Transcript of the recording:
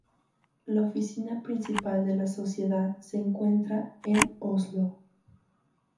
La oficina principal de la Sociedad se encuentra en Oslo.